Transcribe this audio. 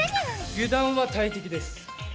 油断は大敵です！